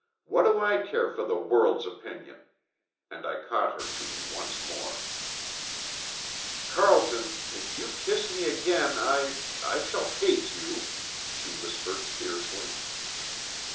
"What do I care for the world's opinion!" And I caught her to me once more. "Carlton! If you kiss me again I I shall hate you!" she whispered fiercely.